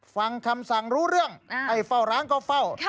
ฟังคำสั่งรู้เรื่องให้เฝ้าร้านก็เฝ้า